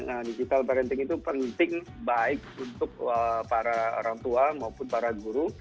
nah digital parenting itu penting baik untuk para orang tua maupun para guru